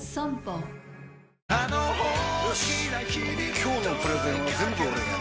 今日のプレゼンは全部俺がやる！